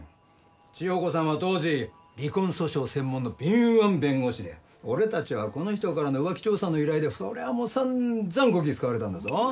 千穂子さんは当時離婚訴訟専門の敏腕弁護士で俺たちはこの人からの浮気調査の依頼でそりゃもう散々こき使われたんだぞ。